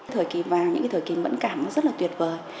thời kỳ vàng những cái thời kỳ mẫn cảm nó rất là tuyệt vời